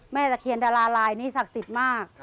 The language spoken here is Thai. ตะเคียนดาราลายนี้ศักดิ์สิทธิ์มาก